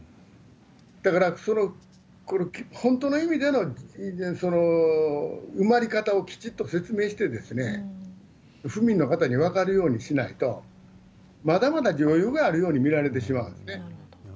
だから、本当の意味での埋まり方をきちっと説明して、府民の方に分かるようにしないと、まだまだ余裕があるように見られてしまうんですね。